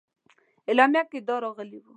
اعلامیه کې دا راغلي وه.